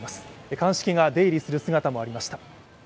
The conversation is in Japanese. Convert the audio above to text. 鑑識が出入りする姿もありました。